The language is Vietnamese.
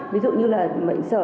ví dụ như là bệnh sở